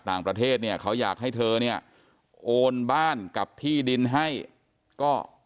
ต่างประเทศเนี่ยเขาอยากให้เธอเนี่ยโอนบ้านกับที่ดินให้ก็